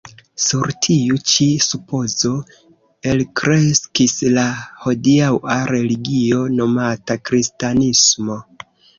Sur tiu ĉi supozo elkreskis la hodiaŭa religio, nomata kristanismo.